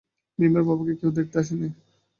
মিমের বাবাকে কেউ দেখতে আসেনি।